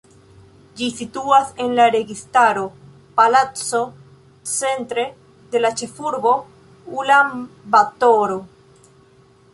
Ĝi situas en la Registaro Palaco centre de la ĉefurbo Ulan-Batoro.